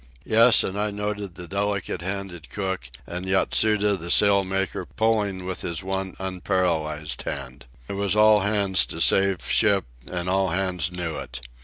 Yes—and I noted the delicate handed cook, and Yatsuda, the sail maker, pulling with his one unparalysed hand. It was all hands to save ship, and all hands knew it.